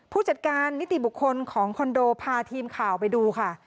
ผู้จัดการนิติบุคคลของคอนโดพาทีมข่าวไปดูค่ะ